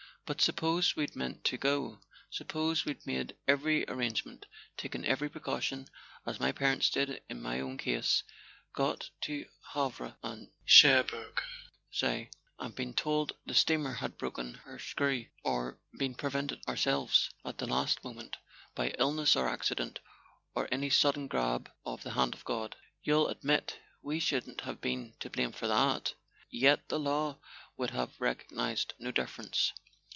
But suppose we'd meant to go ? Suppose we'd made every arrangement, taken every precaution, as my parents did in my own case, got to Havre or Cherbourg, say, and been told the steamer had broken her screw—or been prevented [ 114 ] A SON AT THE FRONT ourselves, at the last moment, by illness or accident, or any sudden grab of the Hand of God ? You 11 admit we shouldn't have been to blame for that; yet the law would have recognized no difference.